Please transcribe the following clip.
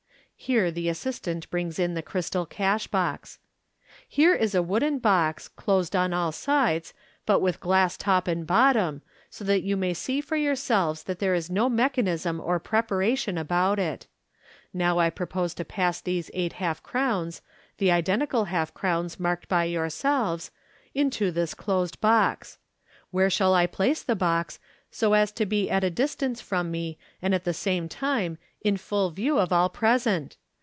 (Here the as sistant brings in the crystal cash box.) "Here is a wooden box, closed on all sides, but with glass top and bottom, so that you may see for yourselves that there is no mechanism or preparation about it. Now I propose to pass these eight half crowns, the identical half crowns marked by yourselves, into this closed box. Where shall I place the box, so as to be at a distance from me, and at the same time in full view of all present